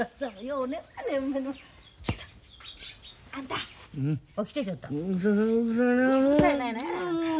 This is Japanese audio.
うるさいなもう。